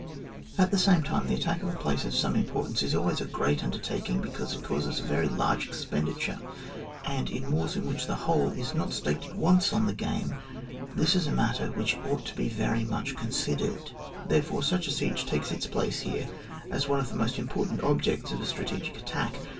At the same time, the attack of a place of Bome importance ib always a great undertaking, because it causes a very large expenditure ; and, in wars in which the whole is not staked at once on the game, this is a matter which ought to be very much considered. Therefore, such a siege takes its place here as one of the most important objects of a strategic attack.